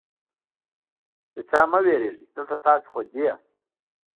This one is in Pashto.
له چا مه وېرېږئ، دلته تاسې خوندي یاست.